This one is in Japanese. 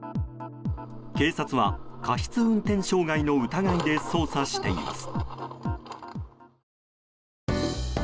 警察は過失運転傷害の疑いで捜査しています。